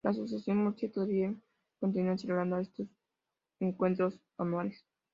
La Asociación Murciana todavía continúa celebrando estos encuentros anuales.